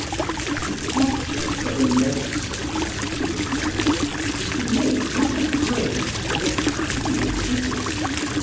The object of a legislator, he declares, is to make not a great but a happy city.